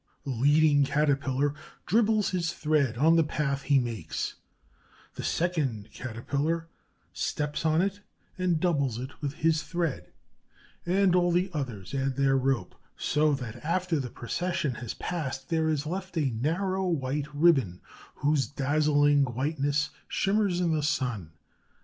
The leading Caterpillar dribbles his thread on the path he makes, the second Caterpillar steps on it and doubles it with his thread; and all the others add their rope, so that after the procession has passed, there is left a narrow white ribbon whose dazzling whiteness shimmers in the sun.